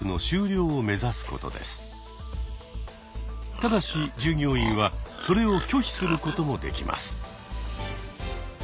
ただし従業員はそれを拒否することもできます。